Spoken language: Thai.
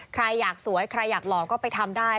ใครอยากสวยใครอยากหล่อก็ไปทำได้